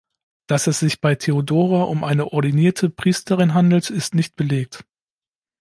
Dass es sich bei Theodora um eine ordinierte Priesterin handelt, ist nicht belegt.